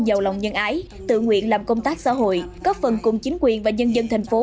giàu lòng nhân ái tự nguyện làm công tác xã hội góp phần cùng chính quyền và nhân dân thành phố